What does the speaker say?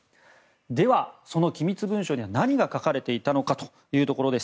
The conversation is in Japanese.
では、その機密文書には何が書かれていたのかというところです。